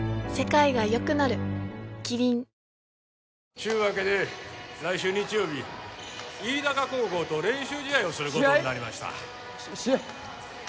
ちゅうわけで来週日曜日飯高高校と練習試合をすることになりました試合？試合？